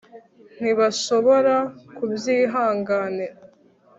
ntibashobora kubyihanganira